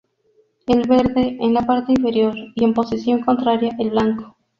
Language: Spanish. El verde en la parte inferior; y en posición contraria, el blanco.